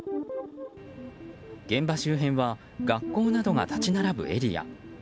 現場周辺は学校などが立ち並ぶエリア。